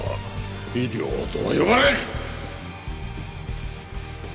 医療とは呼ばない！